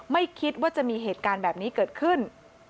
ไม่คิดว่าจะมีเหตุการณ์แบบนี้เกิดขึ้น